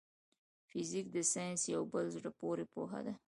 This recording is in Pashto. فزيک د ساينس يو په زړه پوري پوهه ده.